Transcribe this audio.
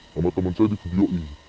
sama teman saya di video in